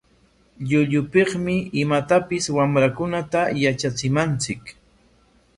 Llullupikmi imatapis wamrakunata yatrachinanchik.